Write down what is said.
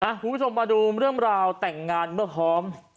คุณผู้ชมมาดูเรื่องราวแต่งงานเมื่อพร้อม